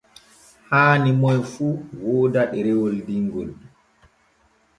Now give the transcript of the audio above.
Haani moy fu wooda ɗerewol dingol.